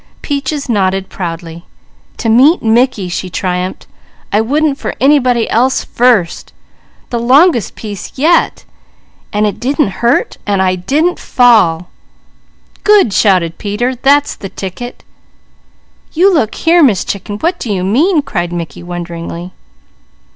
Peaches nodded proudly. "To meet Mickey," she triumphed. "I wouldn't for anybody else first! The longest piece yet! And it didn't hurt and I didn't fall!" "Good!" shouted Peter. "That's the ticket!" "You look here Miss Chicken, what do you mean?" cried Mickey wonderingly.